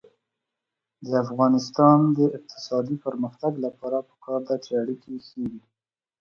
د افغانستان د اقتصادي پرمختګ لپاره پکار ده چې اړیکې ښې وي.